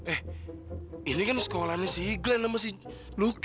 eh ini kan sekolahnya si glenn sama si lucky